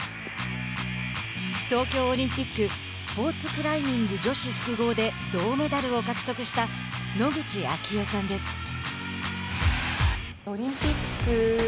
東京オリンピックスポーツクライミング女子複合で銅メダルを獲得した野口啓代さんです。